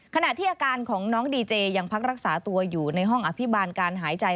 ขณะที่อาการของน้องดีเจยังพักรักษาตัวอยู่ในห้องอภิบาลการหายใจ